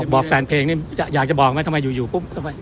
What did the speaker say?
บอกแฟนเพลงอยากจะบอกไหมทำไมอยู่ปุ๊บ